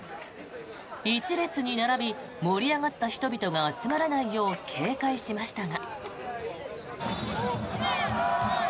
一列に並び、盛り上がった人々が集まらないよう警戒しましたが。